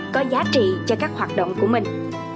có giá trị cho các hoạt động của mình